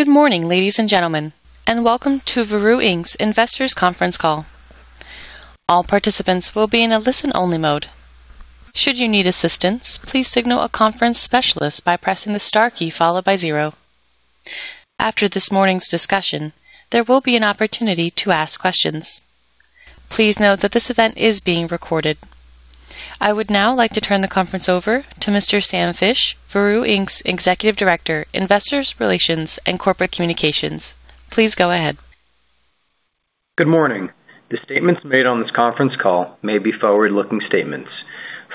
Good morning, ladies and gentlemen, and welcome to Veru Inc.'s Investors Conference Call. I would now like to turn the conference over to Mr. Sam Fisch, Veru Inc.'s Executive Director, Investor Relations and Corporate Communications. Please go ahead. Good morning. The statements made on this conference call may be forward-looking statements.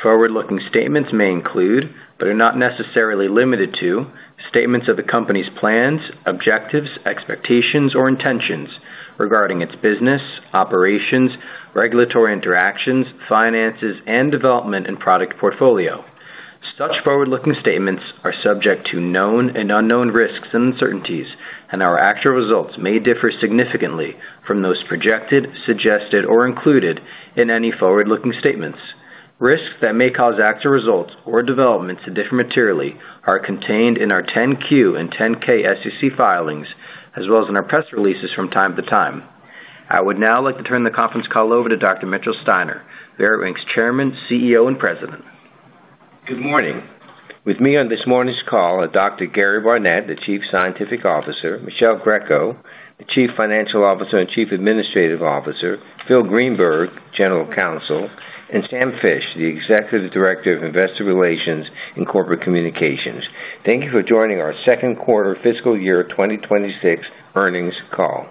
Forward-looking statements may include, but are not necessarily limited to, statements of the company's plans, objectives, expectations, or intentions regarding its business, operations, regulatory interactions, finances, and development and product portfolio. Such forward-looking statements are subject to known and unknown risks and uncertainties, and our actual results may differ significantly from those projected, suggested, or included in any forward-looking statements. Risks that may cause actual results or developments to differ materially are contained in our Form 10-Q and Form 10-K SEC filings, as well as in our press releases from time to time. I would now like to turn the conference call over to Dr. Mitchell Steiner, Veru Inc.'s Chairman, CEO, and President. Good morning. With me on this morning's call are Dr. K. Gary Barnette, the Chief Scientific Officer; Michele Greco, the Chief Financial Officer and Chief Administrative Officer; Philip Greenberg, General Counsel; and Sam Fisch, the Executive Director of Investor Relations and Corporate Communications. Thank you for joining our second quarter fiscal year 2026 earnings call.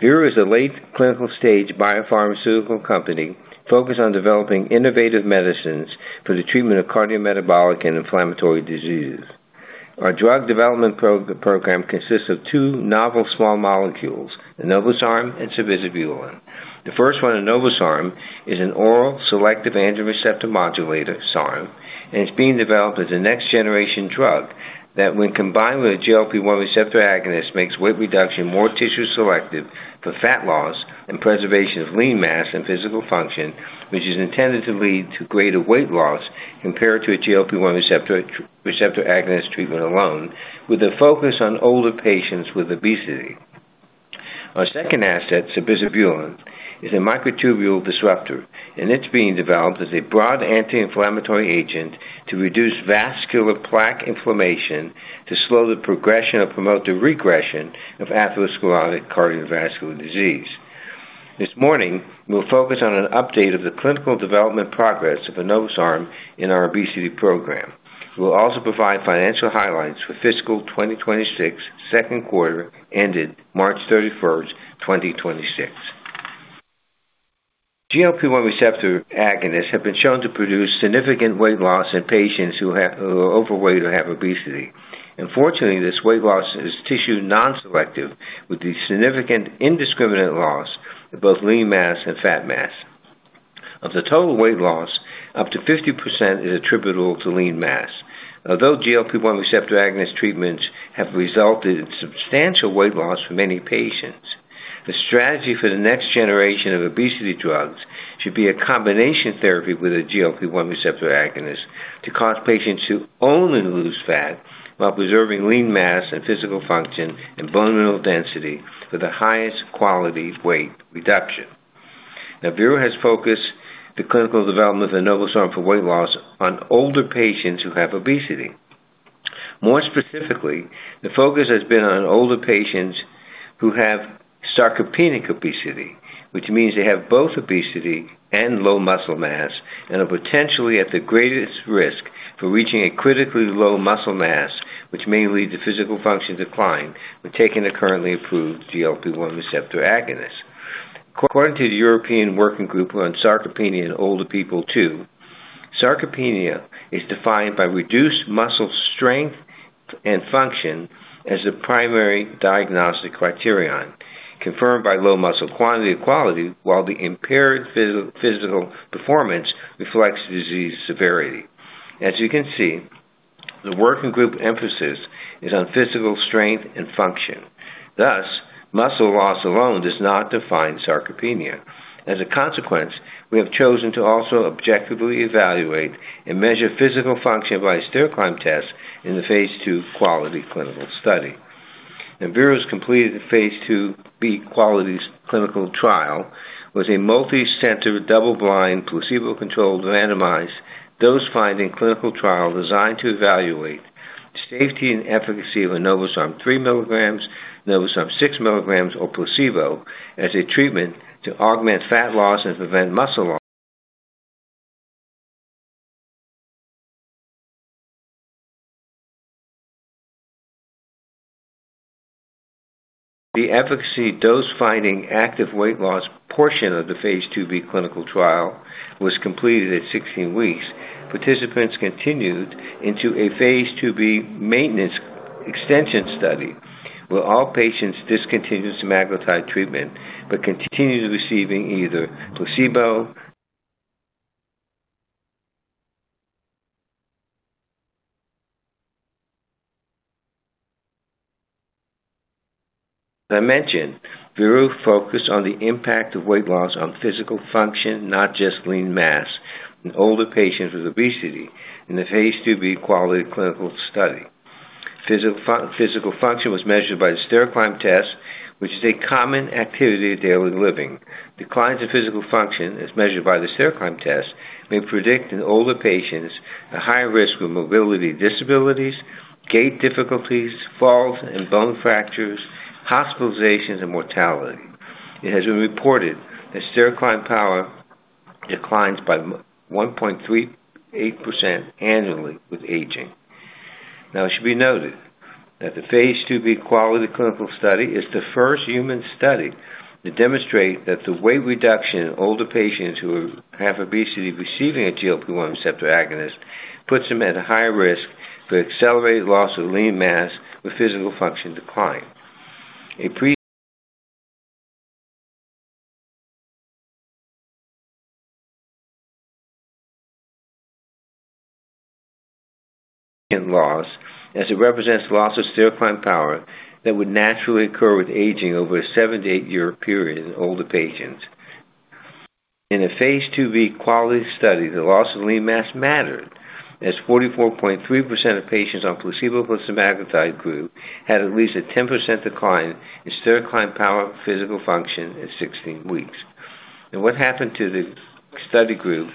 Veru is a late clinical stage biopharmaceutical company focused on developing innovative medicines for the treatment of cardiometabolic and inflammatory disease. Our drug development program consists of two novel small molecules, enobosarm and sabizabulin. The first one, enobosarm, is an oral selective androgen receptor modulator, SARM, and it's being developed as a next generation drug that when combined with a GLP-1 receptor agonist, makes weight reduction more tissue selective for fat loss and preservation of lean mass and physical function, which is intended to lead to greater weight loss compared to a GLP-1 receptor agonist treatment alone, with a focus on older patients with obesity. Our second asset, sabizabulin, is a microtubule disruptor, and it's being developed as a broad anti-inflammatory agent to reduce vascular plaque inflammation to slow the progression or promote the regression of atherosclerotic cardiovascular disease. This morning, we'll focus on an update of the clinical development progress of enobosarm in our obesity program. We'll also provide financial highlights for fiscal 2026 second quarter ended March 31st, 2026. GLP-1 receptor agonists have been shown to produce significant weight loss in patients who are overweight or have obesity. Unfortunately, this weight loss is tissue non-selective with the significant indiscriminate loss of both lean mass and fat mass. Of the total weight loss, up to 50% is attributable to lean mass. Although GLP-1 receptor agonist treatments have resulted in substantial weight loss for many patients, the strategy for the next generation of obesity drugs should be a combination therapy with a GLP-1 receptor agonist to cause patients to only lose fat while preserving lean mass and physical function and bone mineral density for the highest quality weight reduction. Now, Veru has focused the clinical development of enobosarm for weight loss on older patients who have obesity. More specifically, the focus has been on older patients who have sarcopenic obesity, which means they have both obesity and low muscle mass and are potentially at the greatest risk for reaching a critically low muscle mass, which may lead to physical function decline when taking the currently approved GLP-1 receptor agonist. According to the European Working Group on Sarcopenia in Older People 2, sarcopenia is defined by reduced muscle strength and function as the primary diagnostic criterion, confirmed by low muscle quantity and quality, while the impaired physical performance reflects disease severity. As you can see, the working group emphasis is on physical strength and function, thus muscle loss alone does not define sarcopenia. As a consequence, we have chosen to also objectively evaluate and measure physical function by a stair climb test in the phase II QUALITY clinical study. Now, Veru has completed the phase II-B QUALITY clinical trial with a multicenter, double-blind, placebo-controlled, randomized dose finding clinical trial designed to evaluate safety and efficacy of enobosarm 3 mg, enobosarm 6 mg or placebo as a treatment to augment fat loss and prevent muscle loss. The efficacy dose finding active weight loss portion of the phase II-B clinical trial was completed at 16 weeks. Participants continued into a phase II-B maintenance extension study where all patients discontinued semaglutide treatment but continued receiving either placebo. As I mentioned, Veru focused on the impact of weight loss on physical function, not just lean mass in older patients with obesity in the phase II-B QUALITY clinical study. Physical function was measured by the stair climb test, which is a common activity of daily living. Decline to physical function as measured by the stair climb test may predict in older patients a higher risk for mobility disabilities, gait difficulties, falls and bone fractures, hospitalizations, and mortality. It has been reported that stair climb power declines by 1.38% annually with aging. Now, it should be noted that the phase II-B QUALITY clinical study is the first human study to demonstrate that the weight reduction in older patients who have obesity receiving a GLP-1 receptor agonist puts them at a higher risk for accelerated loss of lean mass with physical function decline. A 10% loss as it represents loss of stair climb power that would naturally occur with aging over a seven to eight-year period in older patients. In a phase II-B QUALITY study, the loss of lean mass mattered as 44.3% of patients on placebo plus semaglutide group had at least a 10% decline in stair climb power physical function at 16 weeks. What happened to the study group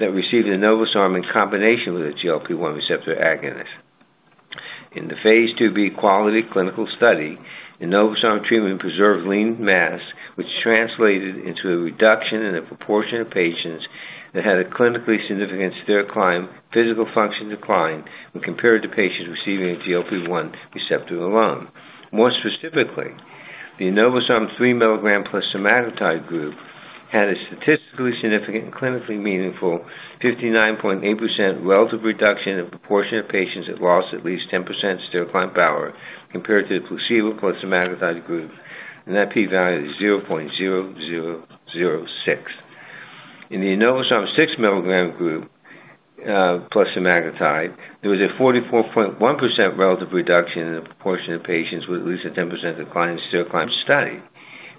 that received enobosarm in combination with a GLP-1 receptor agonist? In the phase II-B QUALITY clinical study, enobosarm treatment preserved lean mass, which translated into a reduction in the proportion of patients that had a clinically significant stair climb physical function decline when compared to patients receiving a GLP-1 receptor alone. More specifically, the enobosarm 3 mg plus semaglutide group had a statistically significant and clinically meaningful 59.8% relative reduction in proportion of patients that lost at least 10% stair climb power compared to the placebo plus semaglutide group, and that P value is 0.0006. In the enobosarm 6 mg group, plus semaglutide, there was a 44.1% relative reduction in the proportion of patients with at least a 10% decline in stair climb study.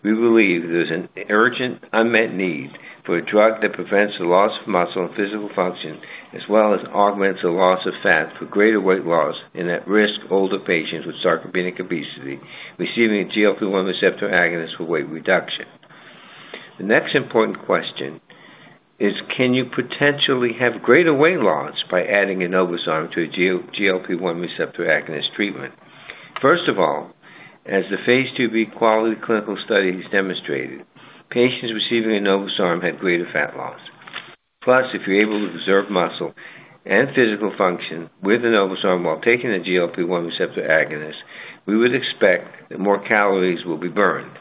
We believe there's an urgent unmet need for a drug that prevents the loss of muscle and physical function, as well as augments the loss of fat for greater weight loss in at-risk older patients with sarcopenic obesity receiving a GLP-1 receptor agonist for weight reduction. The next important question is can you potentially have greater weight loss by adding enobosarm to a GLP-1 receptor agonist treatment? First of all, as the phase II-B QUALITY clinical studies demonstrated, patients receiving enobosarm had greater fat loss. Plus, if you're able to preserve muscle and physical function with enobosarm while taking a GLP-1 receptor agonist, we would expect that more calories will be burned,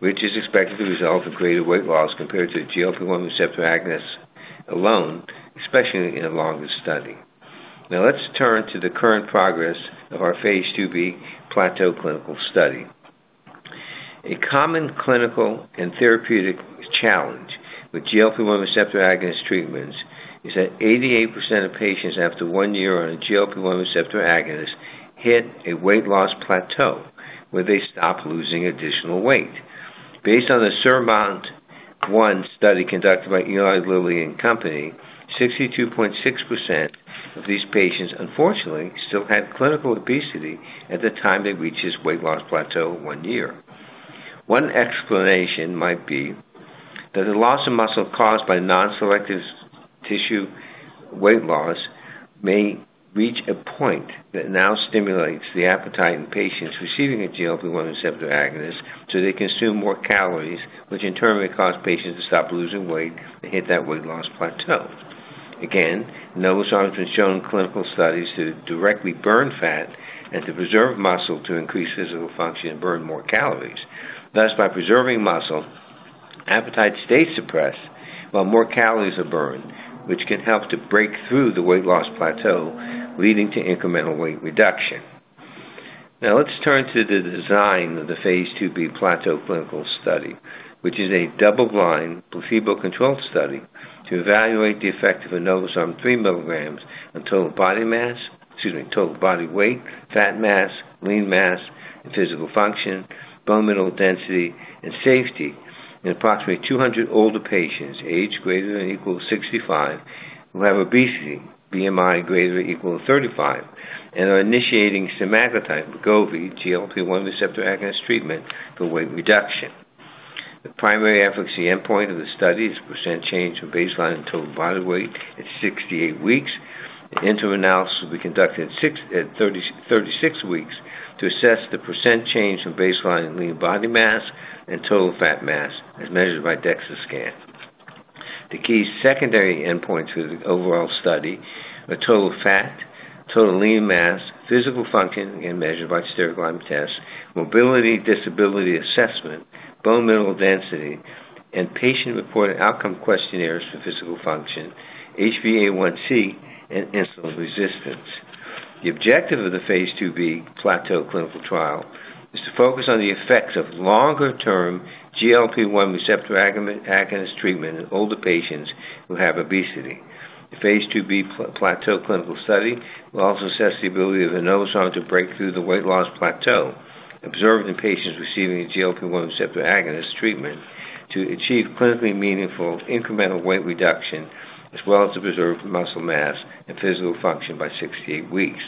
which is expected to result in greater weight loss compared to a GLP-1 receptor agonist alone, especially in a longer study. Let's turn to the current progress of our phase II-B plateau clinical study. A common clinical and therapeutic challenge with GLP-1 receptor agonist treatments is that 88% of patients after one year on a GLP-1 receptor agonist hit a weight loss plateau where they stop losing additional weight. Based on the SURMOUNT-1 study conducted by Eli Lilly and Company, 62.6% of these patients unfortunately still had clinical obesity at the time they reached this weight loss plateau of one year. One explanation might be that the loss of muscle caused by non-selective tissue weight loss may reach a point that now stimulates the appetite in patients receiving a GLP-1 receptor agonist, so they consume more calories, which in turn may cause patients to stop losing weight and hit that weight loss plateau. enobosarm has been shown in clinical studies to directly burn fat and to preserve muscle to increase physical function and burn more calories. By preserving muscle, appetite stays suppressed while more calories are burned, which can help to break through the weight loss plateau, leading to incremental weight reduction. Now let's turn to the design of the phase II-B QUALITY clinical study, which is a double-blind, placebo-controlled study to evaluate the effect of enobosarm 3 mg on total body weight, fat mass, lean mass, and physical function, bone mineral density, and safety in approximately 200 older patients aged greater than or equal to 65 who have obesity, BMI greater than or equal to 35, and are initiating semaglutide Wegovy GLP-1 receptor agonist treatment for weight reduction. The primary efficacy endpoint of the study is percent change from baseline in total body weight at 68 weeks. An interim analysis will be conducted at 36 weeks to assess the percent change from baseline in lean body mass and total fat mass as measured by DEXA scan. The key secondary endpoints for the overall study are total fat, total lean mass, physical function, again measured by stair climb test, mobility disability assessment, bone mineral density, and patient-reported outcome questionnaires for physical function, HbA1c, and insulin resistance. The objective of the phase II-B plateau clinical trial is to focus on the effects of longer-term GLP-1 receptor agonist treatment in older patients who have obesity. The phase II-B plateau clinical study will also assess the ability of enobosarm to break through the weight loss plateau observed in patients receiving a GLP-1 receptor agonist treatment. To achieve clinically meaningful incremental weight reduction, as well as to preserve muscle mass and physical function by 68 weeks.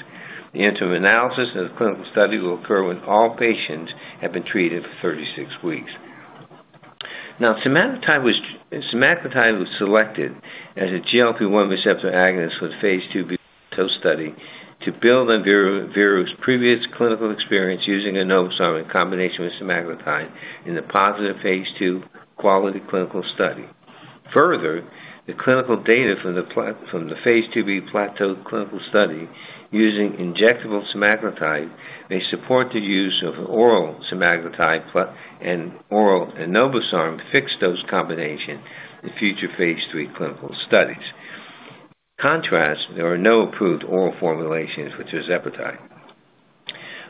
The interim analysis of the clinical study will occur when all patients have been treated for 36 weeks. Now, semaglutide was selected as a GLP-1 receptor agonist for the phase II-B plateau study to build on Veru's previous clinical experience using enobosarm in combination with semaglutide in the positive phase II QUALITY clinical study. Further, the clinical data from the phase II-B plateau clinical study using injectable semaglutide may support the use of oral semaglutide and oral enobosarm fixed dose combination in future phase III clinical studies. Contrast, there are no approved oral formulations for tirzepatide.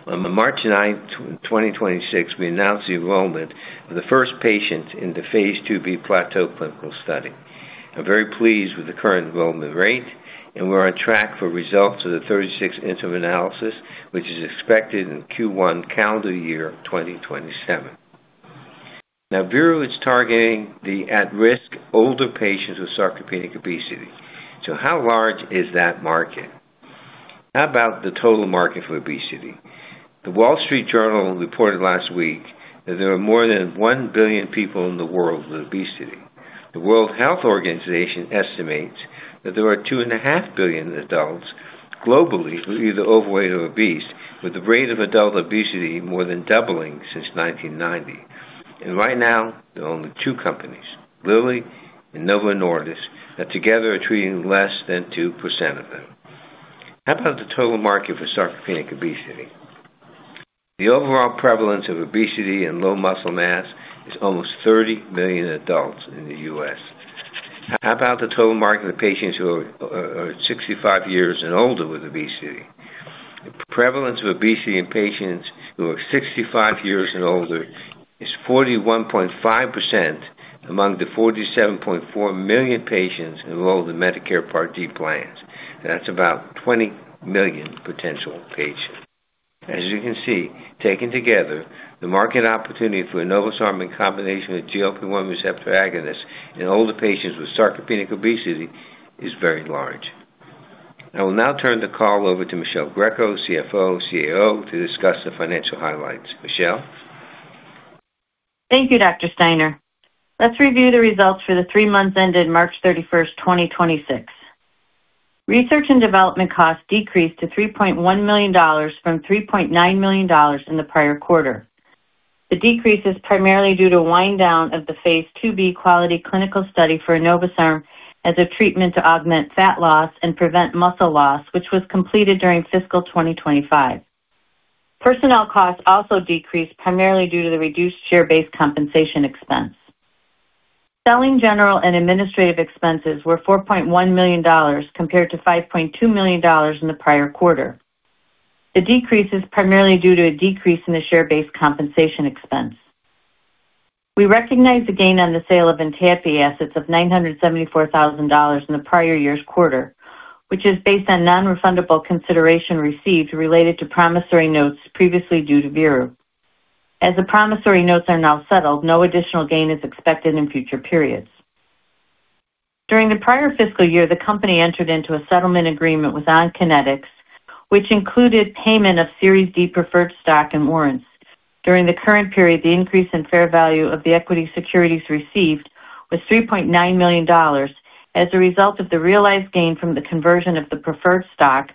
On the March 9th, 2026, we announced the enrollment of the first patients in the phase II-B plateau clinical study. I'm very pleased with the current enrollment rate, and we're on track for results of the 36 interim analysis, which is expected in Q1 calendar year 2027. Now Veru is targeting the at-risk older patients with sarcopenic obesity. How large is that market? How about the total market for obesity? The Wall Street Journal reported last week that there are more than 1 billion people in the world with obesity. The World Health Organization estimates that there are 2.5 billion adults globally who are either overweight or obese, with the rate of adult obesity more than doubling since 1990. Right now, there are only two companies, Lilly and Novo Nordisk, that together are treating less than 2% of them. How about the total market for sarcopenic obesity? The overall prevalence of obesity and low muscle mass is almost 30 million adults in the U.S. How about the total market of patients who are 65 years and older with obesity? The prevalence of obesity in patients who are 65 years and older is 41.5% among the 47.4 million patients enrolled in Medicare Part D plans. That's about 20 million potential patients. As you can see, taken together, the market opportunity for enobosarm in combination with GLP-1 receptor agonist in older patients with sarcopenic obesity is very large. I will now turn the call over to Michele Greco, CFO, CAO, to discuss the financial highlights. Michele. Thank you, Dr. Steiner. Let's review the results for the three months ended March 31st, 2026. Research and development costs decreased to $3.1 million from $3.9 million in the prior quarter. The decrease is primarily due to wind down of the phase II-B QUALITY clinical study for enobosarm as a treatment to augment fat loss and prevent muscle loss, which was completed during fiscal 2025. Personnel costs also decreased primarily due to the reduced share-based compensation expense. Selling, general, and administrative expenses were $4.1 million compared to $5.2 million in the prior quarter. The decrease is primarily due to a decrease in the share-based compensation expense. We recognized a gain on the sale of ENTADFI assets of $974,000 in the prior year's quarter, which is based on non-refundable consideration received related to promissory notes previously due to Veru. As the promissory notes are now settled, no additional gain is expected in future periods. During the prior fiscal year, the company entered into a settlement agreement with Onconetix, which included payment of Series D preferred stock and warrants. During the current period, the increase in fair value of the equity securities received was $3.9 million as a result of the realized gain from the conversion of the preferred stock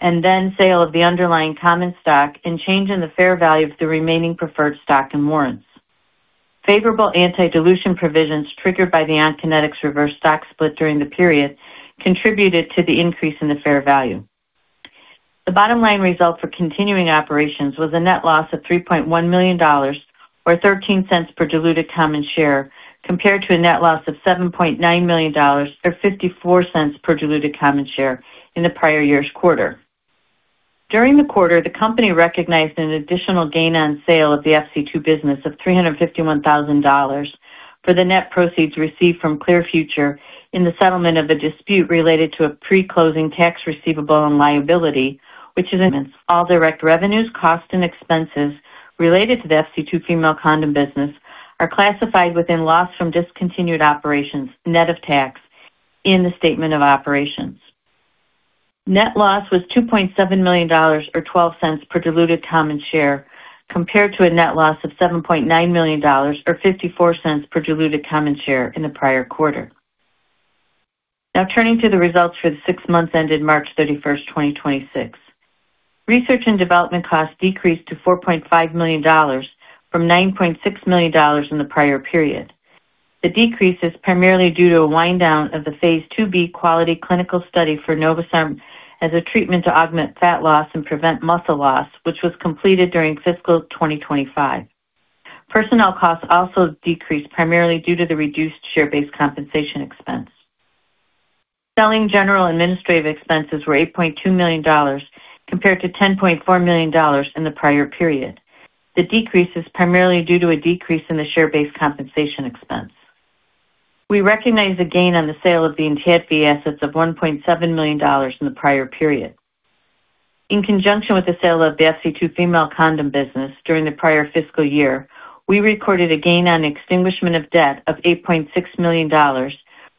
and then sale of the underlying common stock and change in the fair value of the remaining preferred stock and warrants. Favorable anti-dilution provisions triggered by the Onconetix reverse stock split during the period contributed to the increase in the fair value. The bottom line result for continuing operations was a net loss of $3.1 million, or $0.13 per diluted common share, compared to a net loss of $7.9 million, or $0.54 per diluted common share in the prior year's quarter. During the quarter, the company recognized an additional gain on sale of the FC2 business of $351,000 for the net proceeds received from Clear Future in the settlement of a dispute related to a pre-closing tax receivable and liability. All direct revenues, costs, and expenses related to the FC2 Female Condom business are classified within loss from discontinued operations net of tax in the statement of operations. Net loss was $2.7 million or $0.12 per diluted common share, compared to a net loss of $7.9 million or $0.54 per diluted common share in the prior quarter. Turning to the results for the six months ended March 31st, 2026. Research and development costs decreased to $4.5 million from $9.6 million in the prior period. The decrease is primarily due to a wind down of the phase II-B QUALITY clinical study for enobosarm as a treatment to augment fat loss and prevent muscle loss, which was completed during fiscal 2025. Personnel costs also decreased primarily due to the reduced share-based compensation expense. Selling general administrative expenses were $8.2 million compared to $10.4 million in the prior period. The decrease is primarily due to a decrease in the share-based compensation expense. We recognized a gain on the sale of the ENTADFI assets of $1.7 million in the prior period. In conjunction with the sale of the FC2 Female Condom business during the prior fiscal year, we recorded a gain on extinguishment of debt of $8.6 million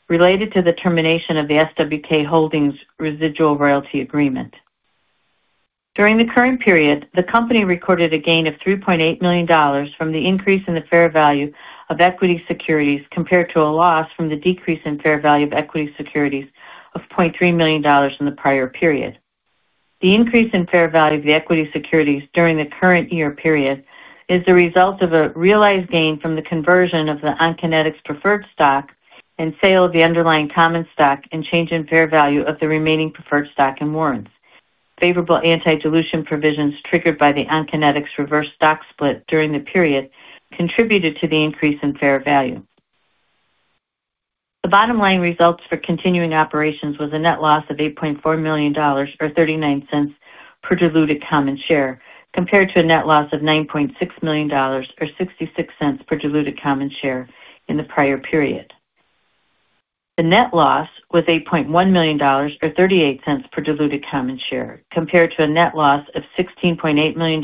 related to the termination of the SWK Holdings residual royalty agreement. During the current period, the company recorded a gain of $3.8 million from the increase in the fair value of equity securities compared to a loss from the decrease in fair value of equity securities of $0.3 million in the prior period. The increase in fair value of the equity securities during the current year period is the result of a realized gain from the conversion of the Onconetix preferred stock and sale of the underlying common stock and change in fair value of the remaining preferred stock and warrants. Favorable anti-dilution provisions triggered by the Onconetix reverse stock split during the period contributed to the increase in fair value. The bottom line results for continuing operations was a net loss of $8.4 million or $0.39 per diluted common share, compared to a net loss of $9.6 million or $0.66 per diluted common share in the prior period. The net loss was $8.1 million or $0.38 per diluted common share, compared to a net loss of $16.8 million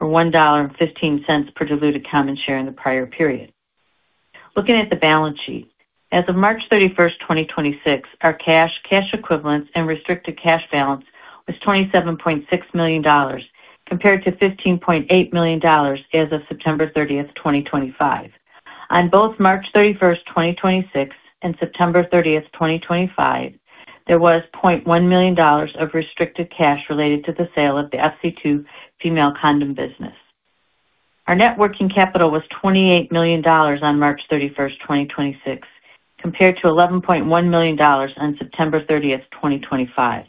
or $1.15 per diluted common share in the prior period. Looking at the balance sheet. As of March 31st, 2026, our cash equivalents, and restricted cash balance was $27.6 million compared to $15.8 million as of September 30th, 2025. On both March 31st, 2026 and September 30th, 2025, there was $0.1 million of restricted cash related to the sale of the FC2 Female Condom business. Our net working capital was $28 million on March 31st, 2026, compared to $11.1 million on September 30th, 2025.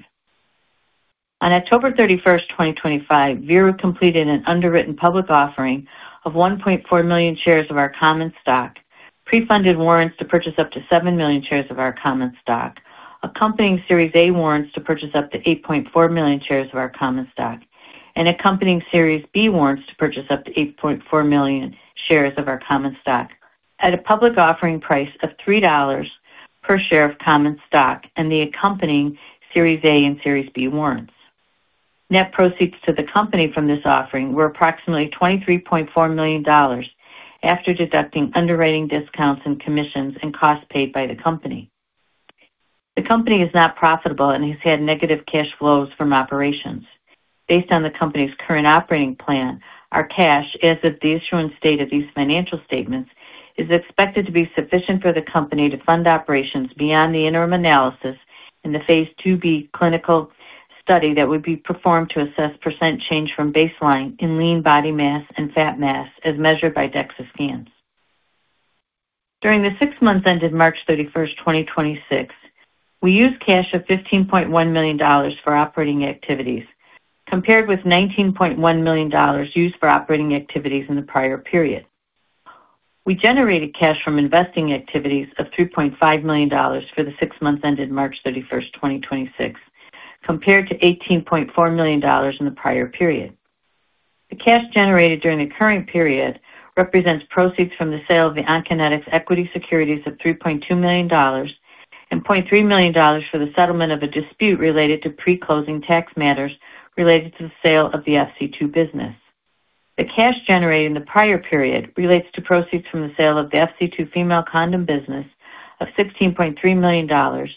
On October 31st, 2025, Veru completed an underwritten public offering of 1.4 million shares of our common stock, pre-funded warrants to purchase up to 7 million shares of our common stock, accompanying Series A warrants to purchase up to 8.4 million shares of our common stock, and accompanying Series B warrants to purchase up to 8.4 million shares of our common stock at a public offering price of $3 per share of common stock and the accompanying Series A and Series B warrants. Net proceeds to the company from this offering were approximately $23.4 million after deducting underwriting discounts and commissions and costs paid by the company. The company is not profitable and has had negative cash flows from operations. Based on the company's current operating plan, our cash as of the issuance date of these financial statements is expected to be sufficient for the company to fund operations beyond the interim analysis in the phase II-B clinical study that would be performed to assess percent change from baseline in lean body mass and fat mass as measured by DEXA scans. During the six months ended March 31st, 2026, we used cash of $15.1 million for operating activities, compared with $19.1 million used for operating activities in the prior period. We generated cash from investing activities of $3.5 million for the six months ended March 31st, 2026, compared to $18.4 million in the prior period. The cash generated during the current period represents proceeds from the sale of the Onconetix equity securities of $3.2 million and $0.3 million for the settlement of a dispute related to pre-closing tax matters related to the sale of the FC2 business. The cash generated in the prior period relates to proceeds from the sale of the FC2 Female Condom business of $16.3 million,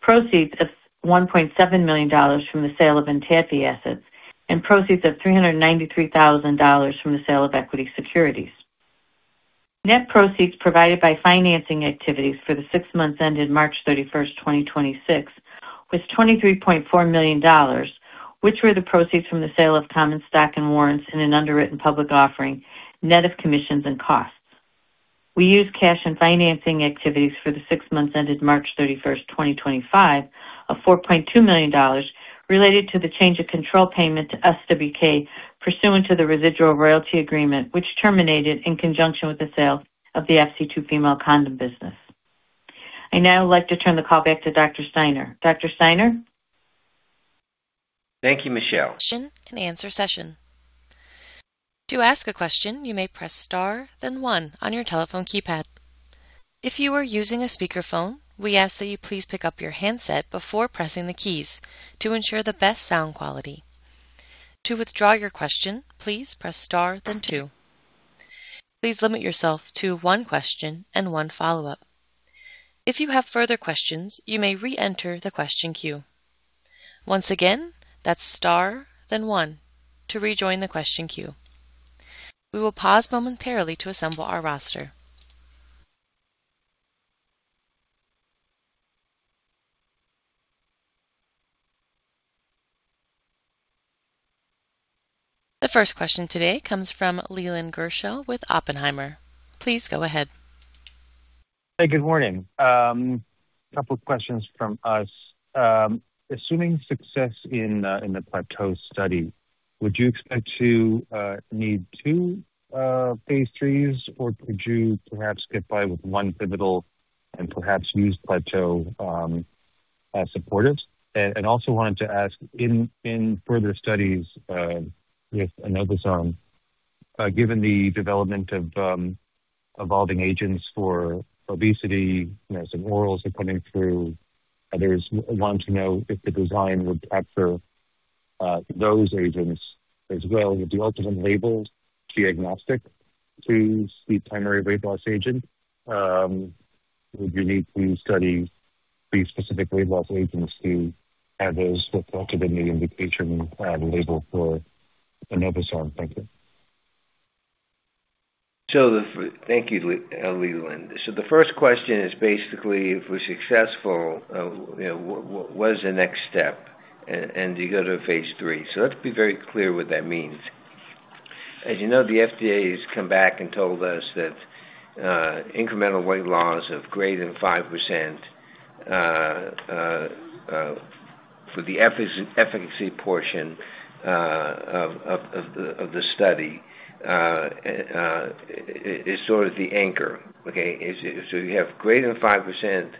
proceeds of $1.7 million from the sale of ENTADFI assets, and proceeds of $393,000 from the sale of equity securities. Net proceeds provided by financing activities for the six months ended March 31st, 2026 was $23.4 million, which were the proceeds from the sale of common stock and warrants in an underwritten public offering, net of commissions and costs. We used cash and financing activities for the 6 months ended March 31st, 2025 of $4.2 million related to the change of control payment to SWK pursuant to the residual royalty agreement, which terminated in conjunction with the sale of the FC2 Female Condom business. I'd now like to turn the call back to Dr. Steiner. Dr. Steiner? Thank you, Michele. Q&A session. To ask a question, you may press star then one on your telephone keypad. If you are using a speakerphone, we ask that you please pick up your handset before pressing the keys to ensure the best sound quality. To withdraw your question, please press star then two. Please limit yourself to one question and one follow-up. If you have further questions, you may re-enter the question queue. Once again, that's star then one to rejoin the question queue. We will pause momentarily to assemble our roster. The first question today comes from Leland Gershell with Oppenheimer. Please go ahead. Hey, good morning. A couple of questions from us. Assuming success in the Plateau study, would you expect to need two phase IIIs, or could you perhaps get by with one pivotal and perhaps use Plateau as supportive? Also wanted to ask in further studies with enobosarm Given the development of evolving agents for obesity, you know, some orals are coming through. Others want to know if the design would capture those agents as well. Would the ultimate label be agnostic to the primary weight loss agent? Would you need to study the specific weight loss agents to have those reflected in the indication label for an enobosarm? Thank you. Thank you, Leland Gershell. The first question is basically, if we're successful, you know, what is the next step? Do you go to a phase III? Let's be very clear what that means. As you know, the FDA has come back and told us that incremental weight loss of greater than 5% for the efficacy portion of the study is sort of the anchor. Okay. If you have greater than 5%,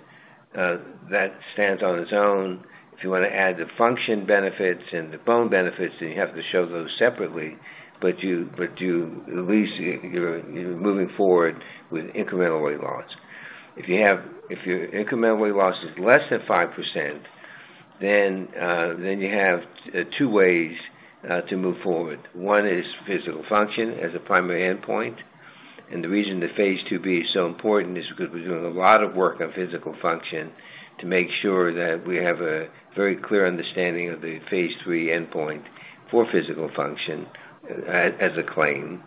that stands on its own. If you wanna add the function benefits and the bone benefits, then you have to show those separately. You at least you're moving forward with incremental weight loss. If your incremental weight loss is less than 5%, then you have two ways to move forward. One is physical function as a primary endpoint. The reason the phase II-B is so important is because we're doing a lot of work on physical function to make sure that we have a very clear understanding of the phase III endpoint for physical function as a claim.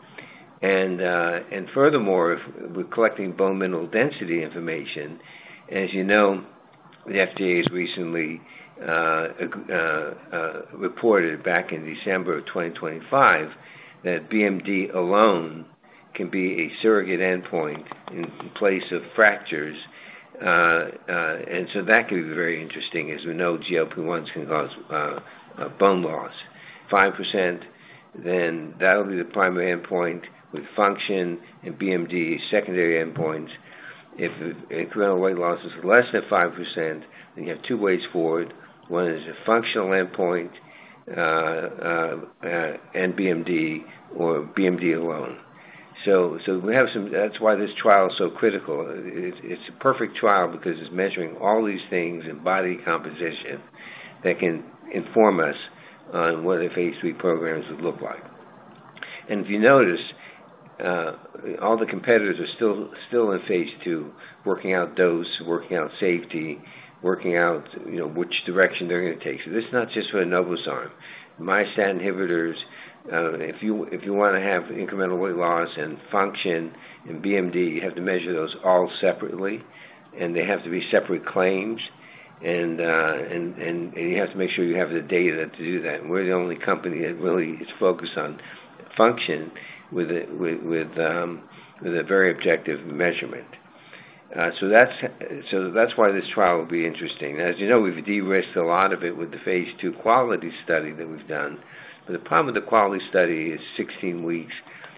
Furthermore, if we're collecting bone mineral density information, as you know, the FDA has recently reported back in December of 2025 that BMD alone can be a surrogate endpoint in place of fractures. That could be very interesting, as we know GLP-1s can cause bone loss. 5%, then that'll be the primary endpoint with function and BMD as secondary endpoints. If incremental weight loss is less than 5%, you have two ways forward. One is a functional endpoint, and BMD or BMD alone. That's why this trial is so critical. It's a perfect trial because it's measuring all these things and body composition that can inform us on what the phase III programs would look like. If you notice, all the competitors are still in phase II, working out dose, working out safety, working out, you know, which direction they're gonna take. This is not just for enobosarm. Myostatin inhibitors, if you wanna have incremental weight loss and function and BMD, you have to measure those all separately, and they have to be separate claims. You have to make sure you have the data to do that. We're the only company that really is focused on function with a very objective measurement. That's why this trial will be interesting. As you know, we've de-risked a lot of it with the phase II QUALITY study that we've done. The problem with the QUALITY study is 16 weeks,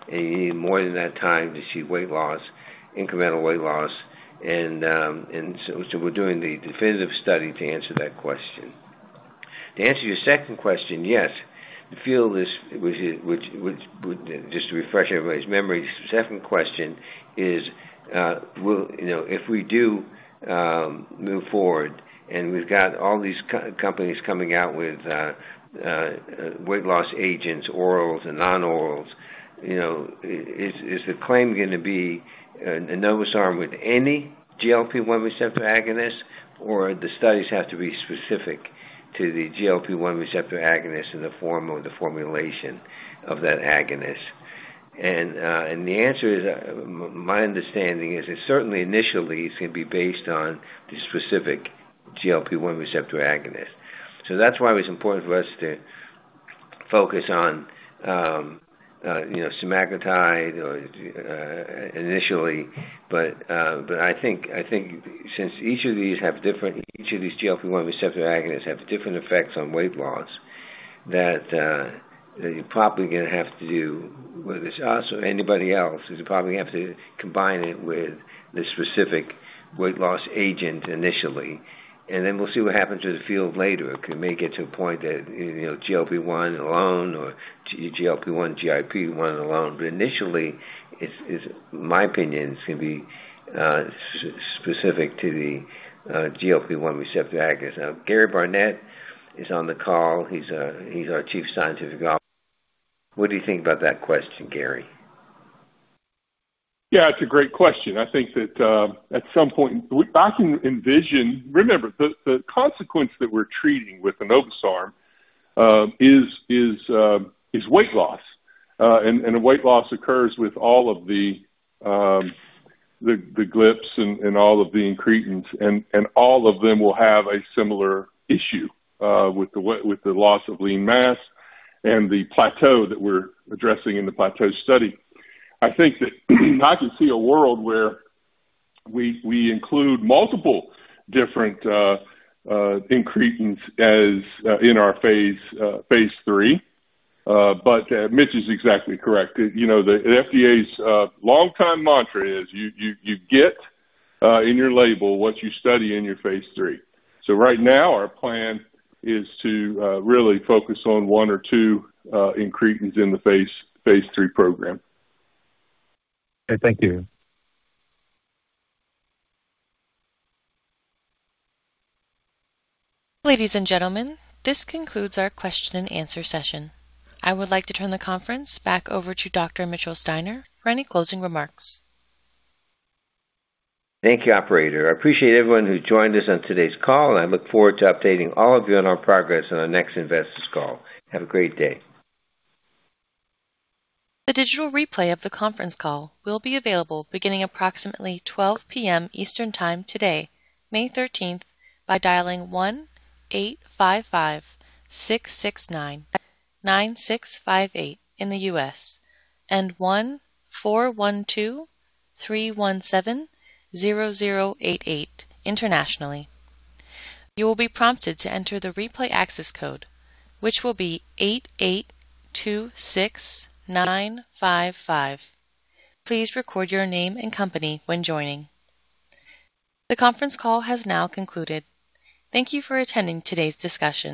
and you need more than that time to see weight loss, incremental weight loss. So we're doing the definitive study to answer that question. To answer your second question, yes. The field is Which, just to refresh everybody's memory, second question is, you know, if we do move forward, and we've got all these co-companies coming out with weight loss agents, orals and non-orals, you know, is the claim gonna be an enobosarm with any GLP-1 receptor agonist, or the studies have to be specific to the GLP-1 receptor agonist in the form or the formulation of that agonist? The answer is, my understanding is that certainly initially it's gonna be based on the specific GLP-1 receptor agonist. That's why it's important for us to focus on, you know, semaglutide or initially. I think since each of these GLP-1 receptor agonists have different effects on weight loss, that you're probably going to have to do, whether it's us or anybody else, you're probably going to have to combine it with the specific weight loss agent initially, and then we'll see what happens to the field later. It may get to a point that, you know, GLP-1 alone or GLP-1 GIP alone. Initially it's my opinion it's going to be specific to the GLP-1 receptor agonist. Gary Barnette is on the call. He's our Chief Scientific Officer. What do you think about that question, Gary? Yeah, it's a great question. I think that, at some point I can envision Remember, the consequence that we're treating with enobosarm, is weight loss. Weight loss occurs with all of the GLPs and all of the incretins, and all of them will have a similar issue with the loss of lean mass and the plateau that we're addressing in the plateau study. I think that I can see a world where we include multiple different incretins as in our phase III. Mitch is exactly correct. You know, the FDA's longtime mantra is you get in your label what you study in your phase III. Right now, our plan is to really focus on one or two incretins in the phase III program. Okay. Thank you. Ladies and gentlemen, this concludes our Q&A session. I would like to turn the conference back over to Dr. Mitchell Steiner for any closing remarks. Thank you, operator. I appreciate everyone who joined us on today's call. I look forward to updating all of you on our progress on our next investor's call. Have a great day. The digital replay of the conference call will be available beginning approximately 12:00 P.M. Eastern Time today, May 13th, by dialing 18556699658 in the U.S. and 14123170088 internationally. You will be prompted to enter the replay access code, which will be 8826955. Please record your name and company when joining. The conference call has now concluded. Thank you for attending today's discussion.